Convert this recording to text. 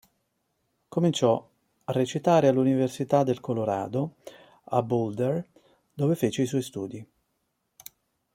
Cominciò a recitare all'Università del Colorado a Boulder, dove fece i suoi studi.